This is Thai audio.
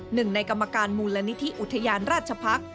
หนึ่งในกรรมการมูลนิธิอุทยานราชพักษ์